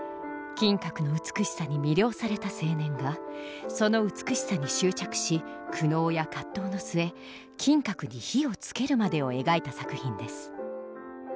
金閣の美しさに魅了された青年がその美しさに執着し苦悩や葛藤の末金閣に火をつけるまでを描いた作品です。